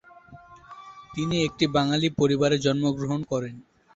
তিনি একটি বাঙালি পরিবারে জন্ম গ্রহণ করেন।